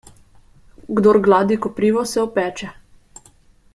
Kdor gladi koprivo, se opeče.